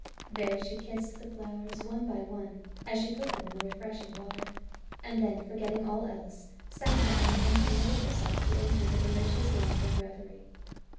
There she kissed the flowers, one by one, as she put them in the refreshing water; and then, forgetting all else, sat down and permitted herself to enter the delicious land of Reverie.